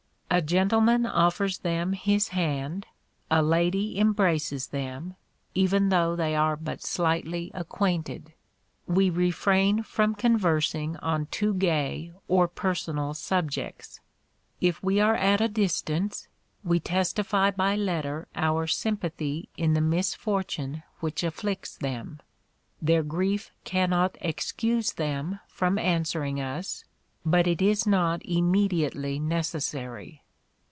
A gentleman offers them his hand, a lady embraces them, even though they are but slightly acquainted. We refrain from conversing on too gay or personal subjects. If we are at a distance, we testify by letter our sympathy in the misfortune which afflicts them. Their grief cannot excuse them from answering us, but it is not immediately necessary.